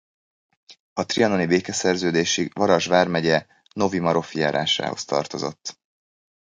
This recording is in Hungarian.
A trianoni békeszerződésig Varasd vármegye Novi Marofi járásához tartozott.